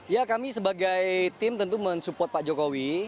ya kami sebagai tim tentu mensupport pak jokowi